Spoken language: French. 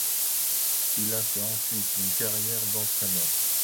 Il a fait ensuite une carrière d'entraîneur.